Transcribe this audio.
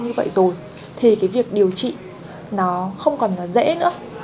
như vậy rồi thì cái việc điều trị nó không còn dễ nữa